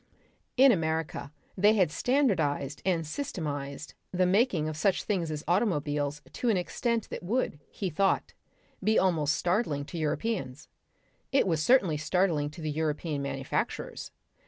In America they had standardised and systematised the making of such things as automobiles to an extent that would, he thought, be almost startling to Europeans. It was certainly startling to the European manufacturers.